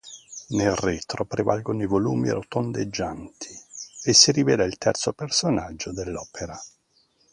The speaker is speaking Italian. Nel retro prevalgono i volumi rotondeggianti, e si rivela il terzo personaggio dell'opera.